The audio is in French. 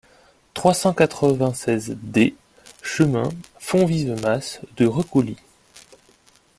trois cent quatre-vingt-seize D chemin Fonvive Mas de Recouly